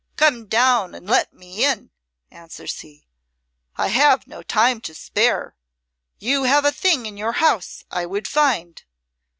'Come down and let me in,' answers he; 'I have no time to spare. You have a thing in your house I would find.'